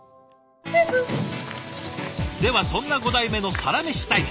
ではそんな５代目のサラメシタイム。